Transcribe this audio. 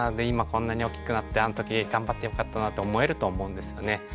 今こんなに大きくなってあの時頑張ってよかったな」と思えると思うんですよね。